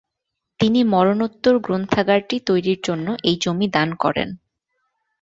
তিনি মরণোত্তর গ্রন্থাগারটি তৈরির জন্য এই জমি দান করেন।